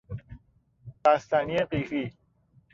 بستنی قیفی